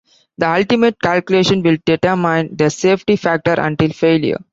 The ultimate calculation will determine the safety factor until failure.